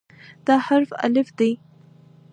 دا حرف "الف" دی.